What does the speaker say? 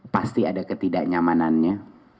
pasti ada ketidaknyamanannya